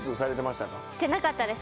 してなかったです